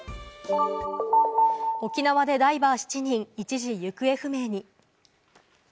沖縄でダイバー７人、一時、行方不明に。